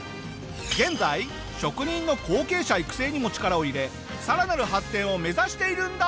現在職人の後継者育成にも力を入れさらなる発展を目指しているんだ！